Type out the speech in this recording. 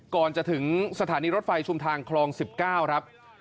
ก่อนจะถึงสถานีรถไฟชุมทางคลอง๑๙ครับ